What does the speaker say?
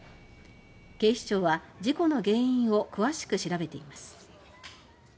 警視庁は事故の原因を詳しく調べています。